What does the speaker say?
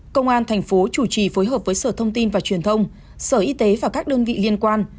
công an thành phố chủ trì phối hợp với sở thông tin và truyền thông sở y tế và các đơn vị liên quan